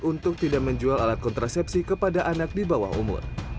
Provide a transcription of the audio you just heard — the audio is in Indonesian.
untuk tidak menjual alat kontrasepsi kepada anak di bawah umur